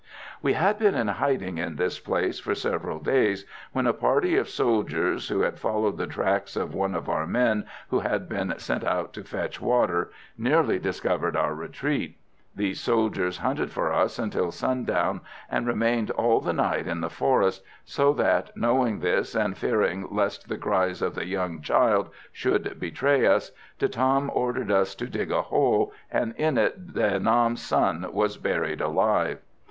"We had been in hiding in this place for several days when a party of soldiers, who had followed the tracks of one of our men who had been sent out to fetch water, nearly discovered our retreat. These soldiers hunted for us until sundown and remained all the night in the forest, so that, knowing this and fearing lest the cries of the young child should betray us, De Tam ordered us to dig a hole, and in it De Nam's son was buried alive.